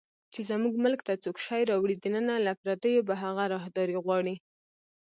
چې زموږ ملک ته څوک شی راوړي دننه، له پردیو به هغه راهداري غواړي